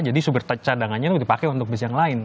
jadi super cadangannya dipakai untuk bisnis yang lain